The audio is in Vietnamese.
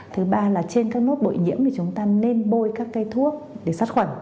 thứ ba là trên các nốt bội nhiễm thì chúng ta nên bôi các cây thuốc để sát khuẩn